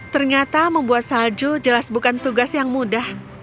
ternyata membuat salju jelas bukan tugas yang mudah